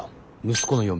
息子の嫁